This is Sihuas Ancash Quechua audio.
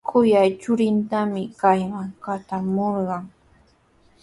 Kuyay churintami kayman katramurqan.